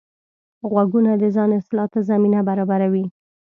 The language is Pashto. غوږونه د ځان اصلاح ته زمینه برابروي